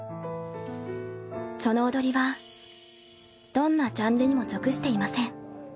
その踊りはどんなジャンルにも属していません